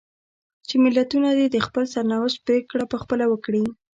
چې ملتونه دې د خپل سرنوشت پرېکړه په خپله وکړي.